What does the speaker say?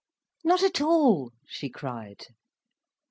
"Not at all," she cried.